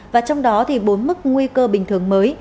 và trong đó thì bốn mức nguy cơ bình thường mới